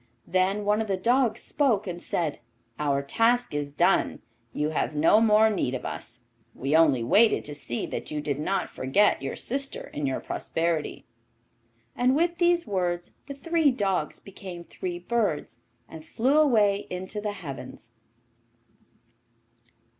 Then one of the dogs spoke and said, 'Our task is done; you have no more need of us. We only waited to see that you did not forget your sister in your prosperity.' And with these words the three dogs became three birds and flew away into the heavens.